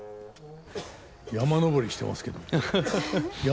山登りしてますけど。